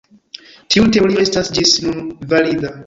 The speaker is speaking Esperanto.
Tiu teorio estas ĝis nun valida.